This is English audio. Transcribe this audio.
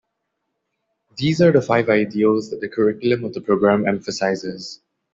These are the five ideals that the curriculum of the program emphasizes.